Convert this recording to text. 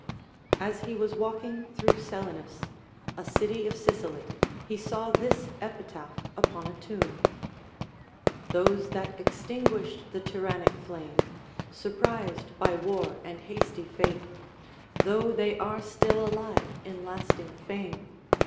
As he was walking through Selinus, a city of Sicily, he saw this epitaph upon a tomb, — Those tliat extinguished the tyrannic flanae, Surprised by war and hasty fate, Though they are still alive in lasting fame.